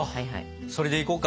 それでいこうか。